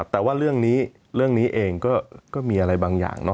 แต่ว่าเรื่องนี้เองก็มีอะไรบางอย่าง